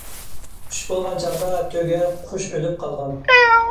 چۈش بولغان چاغدا، تۆگە قۇش ئۆلۈپ قالغان.